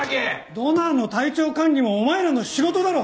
ドナーの体調管理もお前らの仕事だろ！